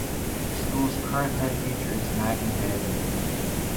The school's current head teacher is Maggie Bailey.